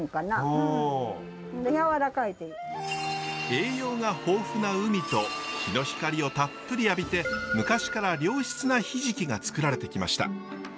栄養が豊富な海と日の光をたっぷり浴びて昔から良質なヒジキが作られてきました。